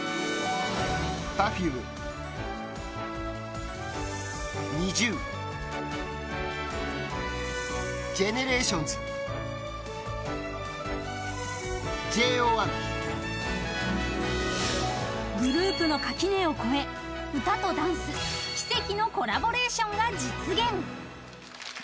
Ｐｅｒｆｕｍｅ、ＮｉｚｉＵＧＥＮＥＲＡＴＩＯＮＳ、ＪＯ１グループの垣根を越え歌とダンス奇跡のコラボレーションが実現。